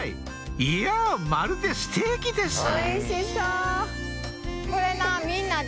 いやまるでステーキですえ！